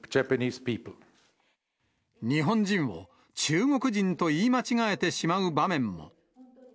日本人を中国人と言い間違えてしまう場面も。